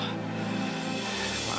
aku tidak suka orang datang ke toko